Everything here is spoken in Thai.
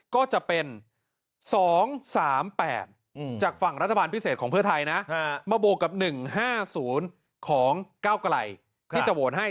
ก็จะเป็น๒๓๘จากฝั่งรัฐบาลพิเศษของเพื่อไทยนะมาบวกกับ๑๕๐ของก้าวไกลที่จะโหวตให้